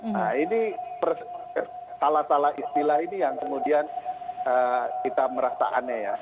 nah ini salah salah istilah ini yang kemudian kita merasa aneh ya